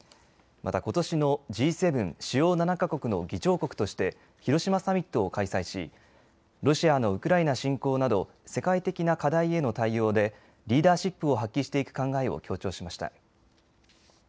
また、ことしのＧ７・主要７か国の議長国として広島サミットを開催しロシアのウクライナ侵攻など世界的な課題への対応でリーダーシップを発揮していく考えを強調しました。